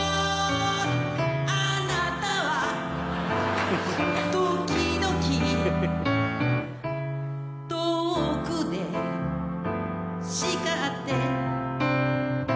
「あなたはときどき」「遠くでしかって」